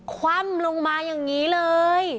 คว่ำลงมาอย่างนี้เลย